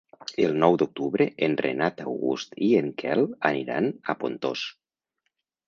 El nou d'octubre en Renat August i en Quel aniran a Pontós.